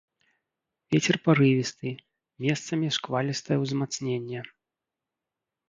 Вецер парывісты, месцамі шквалістае ўзмацненне.